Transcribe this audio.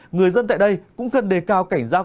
người dân tại đây cũng cần đề cao cảnh giác